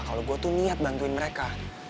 kalau gue tuh niat bantuin mereka